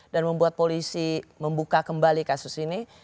dan membuat polisi membuka kembali kasus ini